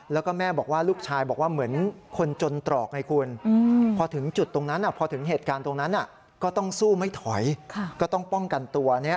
แล้วก็แม่บอกว่าลูกชายบอกว่าเหมือนคนจนตรอกไงคุณพอถึงจุดตรงนั้นพอถึงเหตุการณ์ตรงนั้นก็ต้องสู้ไม่ถอยก็ต้องป้องกันตัว